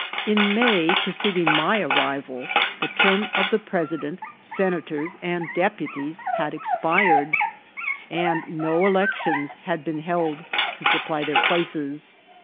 In May preceding my arrival the term of the presi dent, senators, and deputies had expired, and no elec tions had been held to supply their places.